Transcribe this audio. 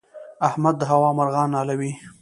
احمد د هوا مرغان نالوي.